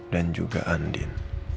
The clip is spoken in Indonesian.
dan juga andin